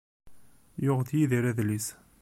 Yuɣ-d Yidir adlis.